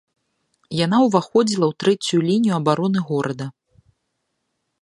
Яна ўваходзіла ў трэцюю лінію абароны горада.